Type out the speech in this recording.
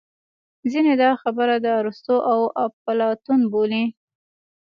ځینې دا خبره د ارستو او اپلاتون بولي